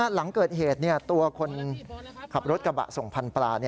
หลังเกิดเหตุตัวคนขับรถกระบะส่งพันธุปลา